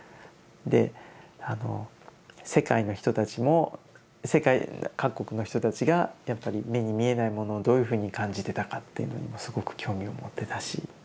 で世界の人たちも世界各国の人たちがやっぱり目に見えないものをどういうふうに感じてたかっていうのにもすごく興味を持ってたし。